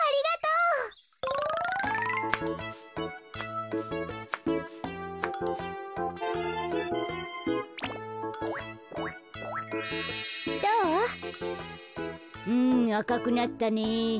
うんあかくなったね。